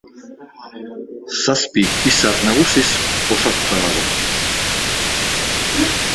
Zazpi izar nagusiz osatuta dago.